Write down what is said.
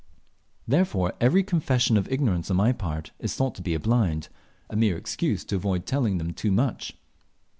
Therefore every confession of ignorance on my part is thought to be a blind, a mere excuse to avoid telling them too much.